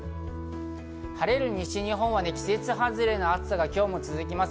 晴れる西日本は季節外れの暑さが今日も続きます。